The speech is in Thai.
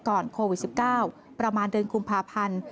โควิด๑๙ประมาณเดือนกุมภาพันธ์